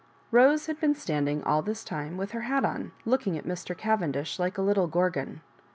Rose had been standing all this time with her hat on, looking at Mr. Cavendish like a little Gorgon.